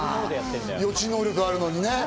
予知能力あるのにね。